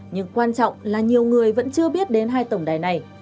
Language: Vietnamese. nhưng quan trọng là nhiều người vẫn chưa biết đến hai tổng đài này